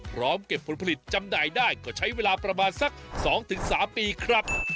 พร้อมเก็บผลผลิตจำได้ได้ก็ใช้เวลาประมาณสักสองถึงสามปีครับ